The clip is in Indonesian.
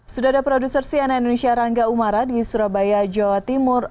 sudah ada produser siana indonesia rangga umara di surabaya jawa timur